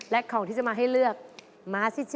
และของที่จะมาให้เลือกมาสิจ๊